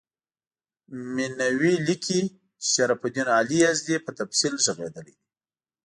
مینوي لیکي چې شرف الدین علي یزدي په تفصیل ږغېدلی دی.